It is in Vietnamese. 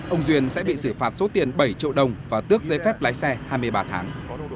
ông duyên sẽ bị xử phạt số tiền bảy triệu đồng và tước giấy phép lái xe hai mươi ba tháng